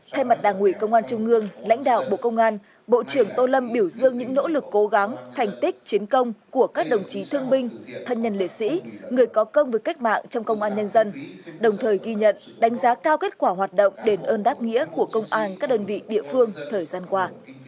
thay mặt đảng ủy công an trung ương lãnh đạo bộ công an bộ trưởng tô lâm biểu dương những nỗ lực cố gắng thành tích chiến công của các đồng chí thương binh thân nhân liệt sĩ người có công với cách mạng trong công an nhân dân đồng thời ghi nhận đánh giá cao kết quả hoạt động đền ơn đáp nghĩa của công an các đơn vị địa phương thời gian qua